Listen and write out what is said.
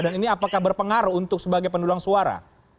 dan ini apakah berpengaruh untuk sebagai pendulang suara